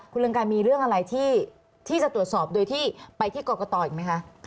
คุณเรืองไกรมีเรื่องอะไรที่จะตรวจสอบโดยที่ไปที่กรกตอีกไหมคะ